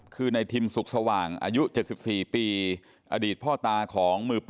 คือในทิมสุขสว่างอายุ๗๔ปีอดีตพ่อตาของมือ๘